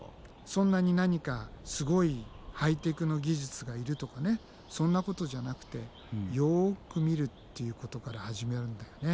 そんなに何かすごいハイテクの技術がいるとかねそんなことじゃなくてよく見るっていうことから始めるんだよね。